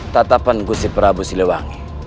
tatapan gusir prabu siliwangi